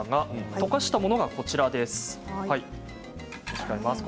溶かしたものがこちらです。